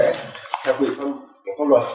theo quyền pháp luật